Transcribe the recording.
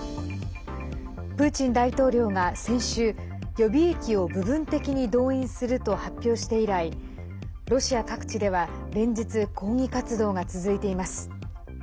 プーチン大統領が先週予備役を部分的に動員すると発表して以来、ロシア各地では連日、抗議活動が続いています。